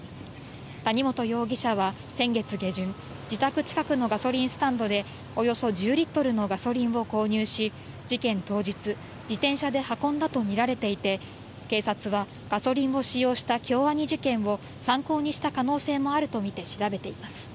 谷本容疑者は先月下旬、自宅近くのガソリンスタンドでおよそ１０リットルのガソリンを購入し、事件当日、自転車で運んだとみられていて、警察はガソリンを使用した京アニ事件を参考にした可能性もあるとみて調べています。